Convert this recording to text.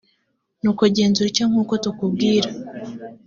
nuko genza utya nk uko tukubwira